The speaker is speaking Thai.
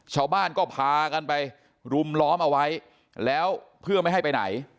ชาวบ้านก็พากันไปรุมล้อมเอาไว้แล้วเพื่อไม่ให้ไปไหน